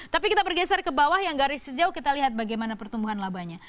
tapi kita bergeser ke bawah yang garis sejauh kita lihat bagaimana pertumbuhan labanya